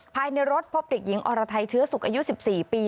ภายในรถพบเด็กหญิงอรไทยเชื้อสุขอายุ๑๔ปี